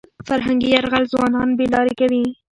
فرهنګي یرغل ځوانان بې لارې کوي.